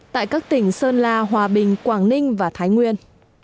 tại các tỉnh sơn la hòa bình quảng ninh và thái nguyên